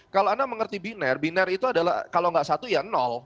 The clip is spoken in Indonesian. kalau anda mengerti binar biner itu adalah kalau nggak satu ya nol